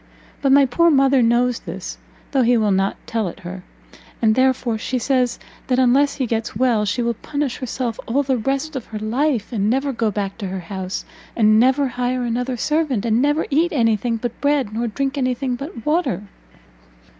But my poor mother knows this, though he will not tell it her, and therefore she says that unless he gets well, she will punish herself all the rest of her life, and never go back to her house, and never hire another servant, and never eat any thing but bread, nor drink any thing but water!"